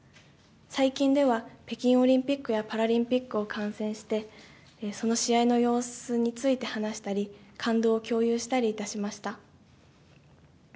最近では、北京オリンピックやパラリンピックを観戦して、その試合の様子について話したり、感動を共有したりいたしました。